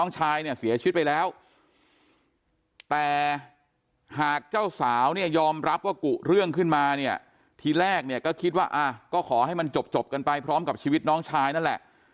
เจ้าสาวเนี่ยยอมรับว่ากูเรื่องขึ้นมาเนี่ยทีแรกเนี่ยก็คิดว่าก็ขอให้มันจบกันไปพร้อมกับชีวิตน้องชายนั่นแหละ